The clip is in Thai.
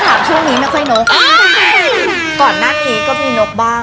ก่อนหน้าเค้าก็มีนกบ้าง